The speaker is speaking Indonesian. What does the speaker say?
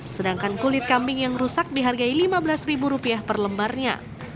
sedangkan kulit kambing yang rusak dihargai lima belas per lembarnya